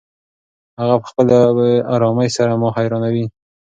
هغه په خپلې ارامۍ سره ما حیرانوي.